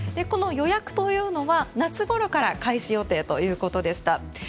この予約というのは夏ごろから開始予定ということでした。